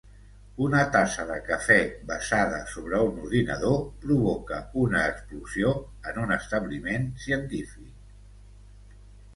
Una tassa de cafè vessada sobre un ordinador provoca una explosió en un establiment científic.